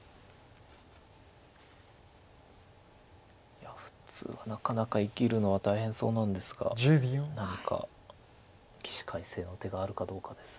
いや普通はなかなか生きるのは大変そうなんですが何か起死回生の手があるかどうかです。